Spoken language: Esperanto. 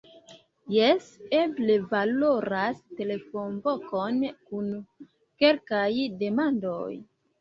Jes, eble valoras telefonvokon kun kelkaj demandoj.